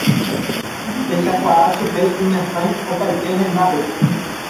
Techakuaa chupe iñasãi opaite hendápe.